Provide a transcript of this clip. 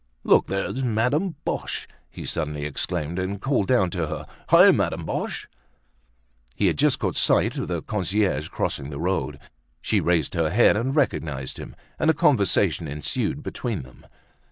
"Look, there's Madame Boche," he suddenly exclaimed and called down to her. "Hi! Madame Boche." He had just caught sight of the concierge crossing the road. She raised her head and recognised him, and a conversation ensued between them.